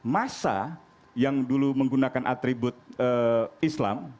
masa yang dulu menggunakan atribut islam